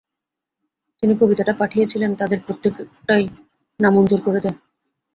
তিনি কবিতাটা পাঠিয়েছিলেন তাদের প্রত্যেকটাই নামঞ্জুর করে দেয়।